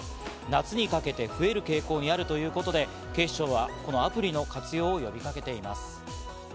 夏にかけて増える傾向にあるということで、警視庁はアプリの活用を呼びかけています。